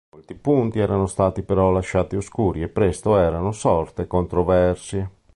Molti punti erano stati però lasciati oscuri e presto erano sorte controversie.